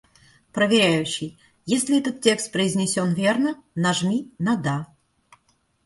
Проверяющий, если этот текст произнесён верно, нажми на "Да".